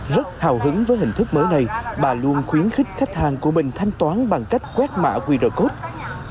rất hào hứng với hình thức mới này bà luôn khuyến khích khách hàng của bình thanh toán bằng cách quét mã qr code